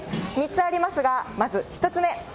３つありますが、まず、１つ目。